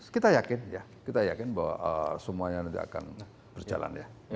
kita yakin ya kita yakin bahwa semuanya nanti akan berjalan ya